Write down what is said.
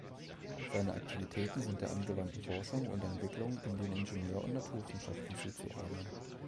Seine Aktivitäten sind der angewandten Forschung und Entwicklung in den Ingenieur- und Naturwissenschaften zuzuordnen.